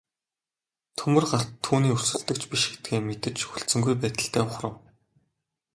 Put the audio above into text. Төмөр гарт түүний өрсөлдөгч биш гэдгээ мэдэж хүлцэнгүй байдалтай ухрав.